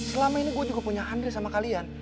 selama ini gue juga punya andre sama kalian